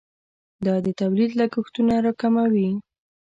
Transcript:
دا د تولید لګښتونه راکموي.